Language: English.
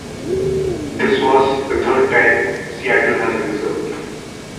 This was the third time Seattle has been served.